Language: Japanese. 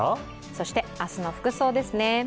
そして、明日の服装ですね。